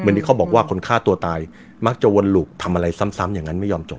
ที่เขาบอกว่าคนฆ่าตัวตายมักจะวนหลุกทำอะไรซ้ำอย่างนั้นไม่ยอมจบ